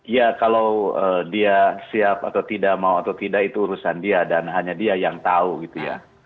ya kalau dia siap atau tidak mau atau tidak itu urusan dia dan hanya dia yang tahu gitu ya